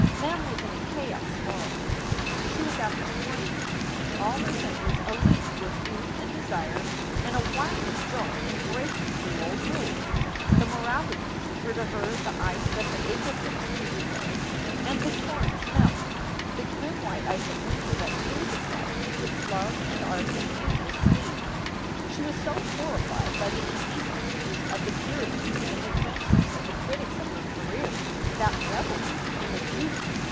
Mem was in a chaos morally. She was at her spring, all her senses aleap with youth and desire and a wilding joy in breaking through old rules. The moralities were to her the ice that the April brooks sweep away and the torrents SOULS FOR SALE 359 melt; the grim white ice of winter that freezes life and puts love and art and beauty asleep. She was so horrified by the indecencies of the Puritans and the censors and the critics of her career, that revelry became a duty.